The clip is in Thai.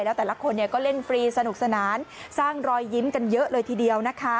แล้วแต่ละคนก็เล่นฟรีสนุกสนานสร้างรอยยิ้มกันเยอะเลยทีเดียวนะคะ